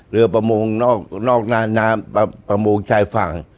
เรือประมงนอกน้ำประมงชายฝั่ง